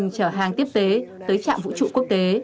chúng tôi đã đưa các hành trình tiếp tế tới trạm vũ trụ quốc tế